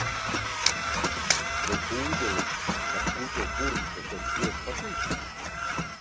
To pūdeli ar skūto purnu, kas tev tik ļoti patīk?